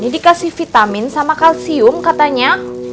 ini dikasih vitamin sama kalsium katanya